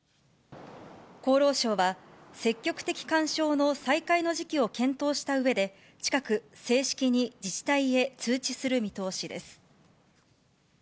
厚労省は、積極的勧奨の再開の時期を検討したうえで、近く、正式に自治体へ通知する見通しです。